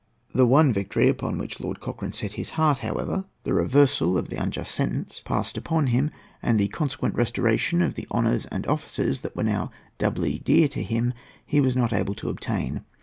The one victory upon which Lord Cochrane set his heart, however—the reversal of the unjust sentence passed upon him, and the consequent restoration of the honours and offices that were now doubly dear to him—he was not able to obtain.